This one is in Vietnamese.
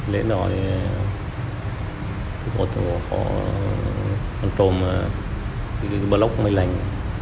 lễ nội thủ tướng của họ trộm bờ lốc mây lành